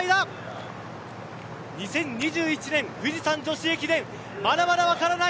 ２０２１年富士山女子駅伝まだまだ分からない。